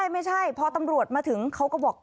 ไม่ใช่พอตำรวจมาถึงเขาก็บอก